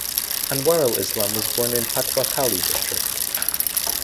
Anwarul Islam was born in Patuakhali district.